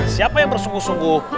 siapa yang bersungguh sungguh